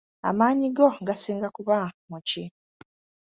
Amaanyi go gasinga kuba mu ki?